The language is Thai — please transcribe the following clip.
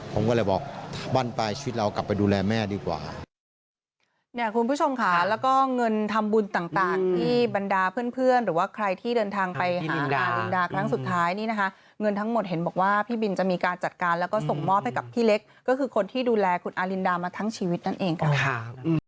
ผมก็เลยบอกบ้านปลายชีวิตเรากลับไปดูแลแม่ดีกว่า